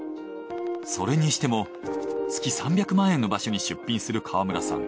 それにしても月３００万円の場所に出品する川村さん。